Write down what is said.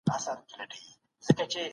ریښتین صاحب په خپل وخت کي ډېر کار کړی و.